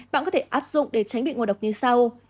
bạn có thể áp dụng để tránh bị ngộ độc như sau